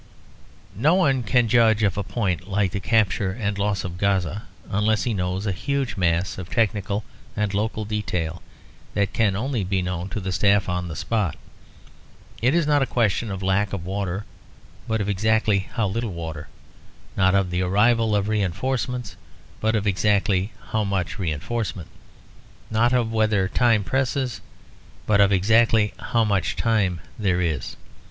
No one can judge of a point like the capture and loss of Gaza, unless he knows a huge mass of technical and local detail that can only be known to the staff on the spot; it is not a question of lack of water but of exactly how little water; not of the arrival of reinforcements but of exactly how much reinforcement; not of whether time presses, but of exactly how much time there is.